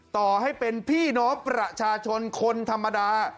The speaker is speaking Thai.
ต่อให้เป็นพี่น้องประชาชนคนธรรมดา